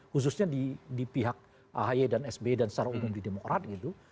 khususnya di pihak ahy dan sby dan secara umum di demokrat gitu